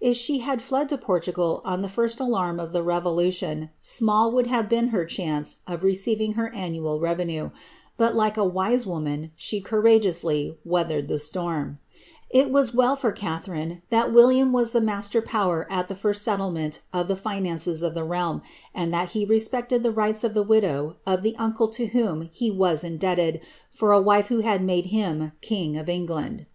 if she had dcd to Portugal on the first alarm of the revolution, i^ikin would have been her chance of receiving her annual revenue, but, like a wise woman, she courageously weathered the storm, it was well for Catharine that William was the master power at the first settlement of the finances of the realm, and tliat he respected the rights of the widow of the uncle to whom he was indebted for a wile who had mads bis king of England.